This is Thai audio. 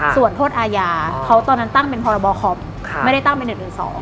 ส่วนโทษอาญาเขาตอนนั้นตั้งเป็นพรบคอมไม่ได้ตั้งเป็น๑๑๒